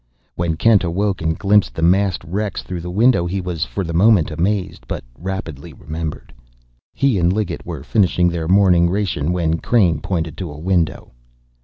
When Kent woke and glimpsed the massed wrecks through the window he was for the moment amazed, but rapidly remembered. He and Liggett were finishing their morning ration when Crain pointed to a window.